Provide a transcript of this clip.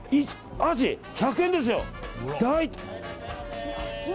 アジ、１００円ですよ！